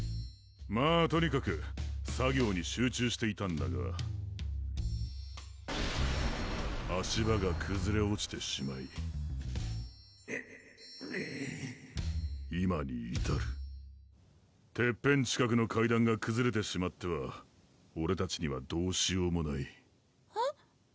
まぁとにかく作業に集中していたんだが足場がくずれ落ちてしまいウッウゥ今にいたるてっぺん近くの階段がくずれてしまってはオレたちにはどうしようもないえっ？